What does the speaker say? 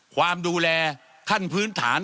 ความดูแลขั้นพื้นฐาน